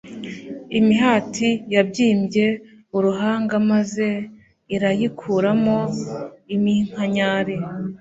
Imihati yabyimbye uruhanga maze irayikuramo iminkanyari